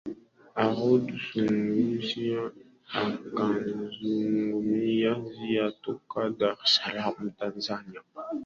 harod sungusia akizungumzia toka dar es salaam tanzania